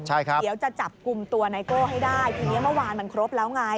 ใช่ครับเดี๋ยวจะจับกลุ่มตัวไนโก้ให้ได้ทีนี้เมื่อวานมันครบแล้วไง